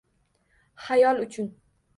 Xayol uchun.